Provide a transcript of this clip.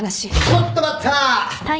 ・・ちょっと待った！